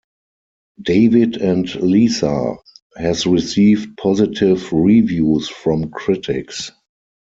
"David and Lisa" has received positive reviews from critics.